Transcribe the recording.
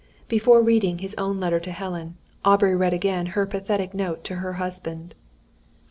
Before finally reading his own letter to Helen, Aubrey read again her pathetic note to her husband.